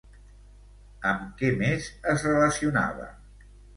Amb què més es relacionava?